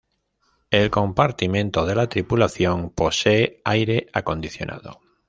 El compartimiento de la tripulación posee aire acondicionado.